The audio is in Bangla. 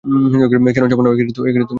কেন যাব না?